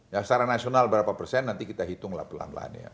ya secara nasional berapa persen nanti kita hitunglah pelan pelan ya